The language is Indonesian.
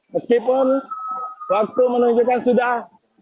meskipun waktu menunjukkan sudah